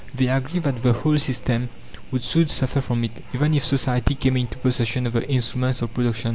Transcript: They agree that the whole system would soon suffer from it, even if Society came into possession of the instruments of production.